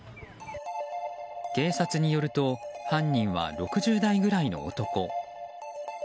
警察によると犯人は６０代くらいの男。